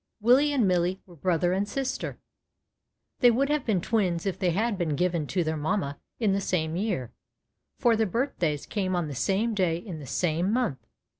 Willie and Millie were brother and sister. They would have been twins if they had been given to their mamma in the same year, for their birthdays came on the same day in the same month.